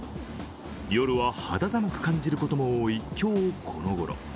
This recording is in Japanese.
夜は肌寒く感じることも多い今日このごろ。